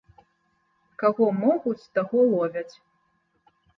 Каго могуць, таго ловяць.